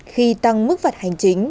khi tăng mức phạt hành chính